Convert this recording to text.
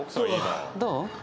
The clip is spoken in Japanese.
どう？